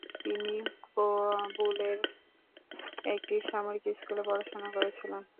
তিনি কাবুলের একটি সামরিক স্কুলে পড়াশোনা করেছিলেন।